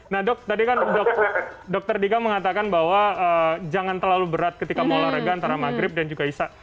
nah dok tadi kan dokter dika mengatakan bahwa jangan terlalu berat ketika mau olahraga antara maghrib dan juga isya